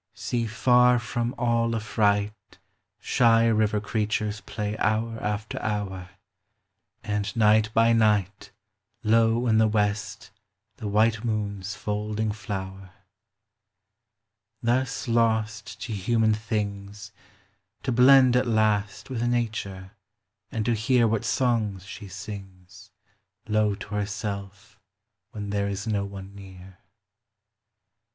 See far from all affright Shy river creatures play hoar after hour, And night by night Low in the West the white moon's folding flower, Thus lost to human tilings, To blend at last with Nature and to hear What songs she sings Low to herself when there is no one near.